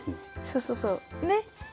そうそうそう。ね。